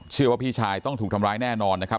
เชื่อว่าพี่ชายต้องถูกทำร้ายแน่นอนนะครับ